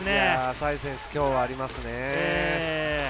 サイズ選手、今日はありますよね。